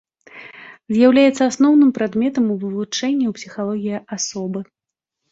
З'яўляецца асноўным прадметам вывучэння ў псіхалогіі асобы.